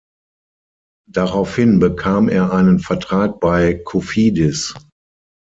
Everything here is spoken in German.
Daraufhin bekam er einen Vertrag bei Cofidis.